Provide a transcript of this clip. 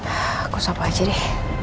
aku sapa jadi